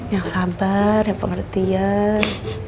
yang sabar yang pengertian